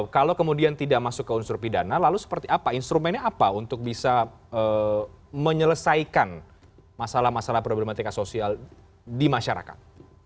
kalau kemudian tidak masuk ke unsur pidana lalu seperti apa instrumennya apa untuk bisa menyelesaikan masalah masalah problematika sosial di masyarakat